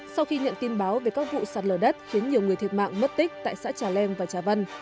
sau khi nhận tin báo về các vụ sạt lở đất khiến nhiều người thiệt mạng mất tích tại xã trà leng và trà vân